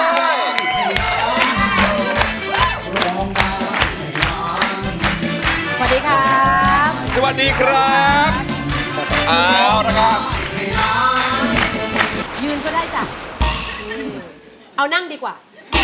คิวครับตอบถูกแบบนี้เชิญมาร้องด้ายให้รักกันดีกว่า